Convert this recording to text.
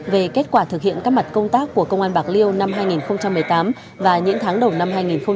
về kết quả thực hiện các mặt công tác của công an bạc liêu năm hai nghìn một mươi tám và những tháng đầu năm hai nghìn một mươi chín